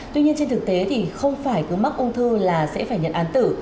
tuy nhiên trên thực tế thì không phải cứ mắc ung thư là sẽ phải nhận án tử